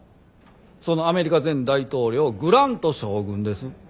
そのアメリカ前大統領グラント将軍です。